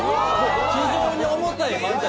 非常に重たい犯罪。